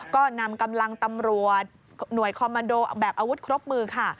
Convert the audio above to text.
ก็นำกำลังตำรวจหน่วยคอมมันโดแบบอาวุธครบมือค่ะ